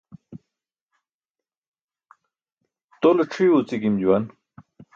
Tole c̣ʰiyo uci gim juwan.